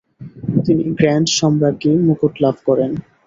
তিনি গ্র্যান্ড সম্রাজ্ঞী মুকুট লাভ করেন।